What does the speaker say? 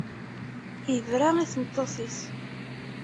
Yebra i tmeṭṭut-is.